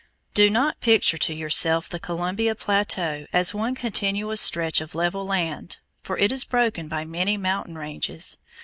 Do not picture to yourself the Columbia plateau as one continuous stretch of level land, for it is broken by many mountain ranges.